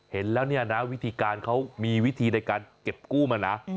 เห็นแล้วเนี่ยนะวิธีการเขามีวิธีในการเก็บกู้มานะ